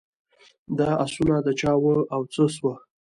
دا آسونه د چا وه او څه سوه.